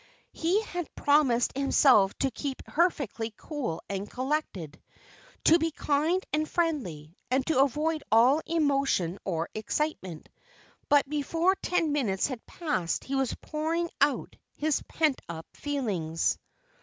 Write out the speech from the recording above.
He had promised himself to keep perfectly cool and collected, to be kind and friendly, and to avoid all emotion or excitement, but before ten minutes had passed he was pouring out his pent up feelings.